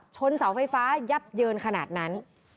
เสาไฟฟ้ายับเยินขนาดนั้น